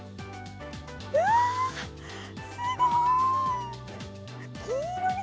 うわ、すごい。